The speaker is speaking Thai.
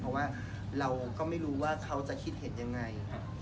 เพราะว่าเราก็ไม่รู้ว่าเขาจะคิดเห็นยังไง